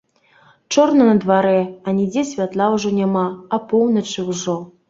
Чорна на дварэ, анідзе святла ўжо няма, апоўначы ўжо.